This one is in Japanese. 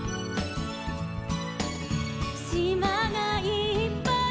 「しまがいっぱい」